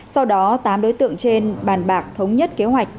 sau đó tám đối tượng trên bàn bạc thống nhất kế hoạch